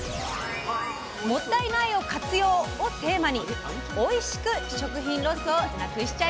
「もったいない！を活用」をテーマにおいしく食品ロスをなくしちゃいますよ！